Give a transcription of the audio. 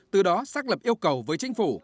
từ đó xác lập yêu cầu với chính phủ